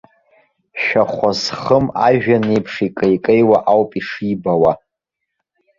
Шәахәа зхым ажәҩан еиԥш икеикеиуа ауп ишибауа.